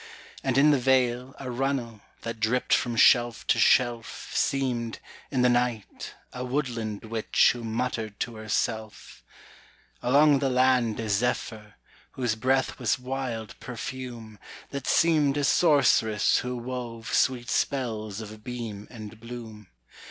And in the vale a runnel, That dripped from shelf to shelf, Seemed, in the night, a woodland witch Who muttered to herself. Along the land a zephyr, Whose breath was wild perfume, That seemed a sorceress who wove Sweet spells of beam and bloom.